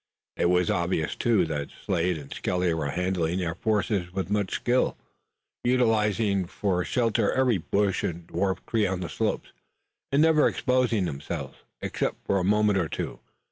It was obvious too that Slade and Skelly were handling their forces with much skill, utilizing for shelter every bush and dwarfed tree on the slopes, and never exposing themselves, except for a moment or two.